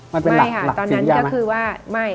มันเป็นหลักสินคิดอย่างไหม